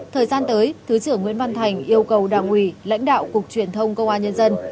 thời gian tới thứ trưởng nguyễn văn thành yêu cầu đảng ủy lãnh đạo cục truyền thông công an nhân dân